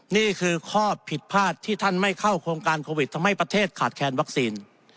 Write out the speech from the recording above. นี่คือข้อผิดพลาดที่ท่านไม่เข้าโครงการโควิดทำให้ประเทศขาดแคลนวัคซีน